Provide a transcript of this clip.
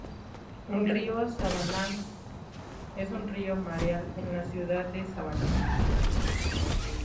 El río Savannah es un río mareal en la ciudad de Savannah.